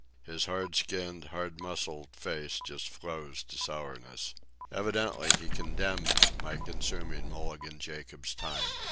His hard skinned, hard muscled face just flows to sourness. Evidently he condemned my consuming Mulligan Jacobs's time.